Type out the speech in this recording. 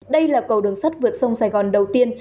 đây là cầu đường sắt vượt sông sài gòn đầu tiên